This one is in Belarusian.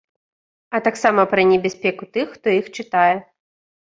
А таксама пра небяспеку тых, хто іх чытае.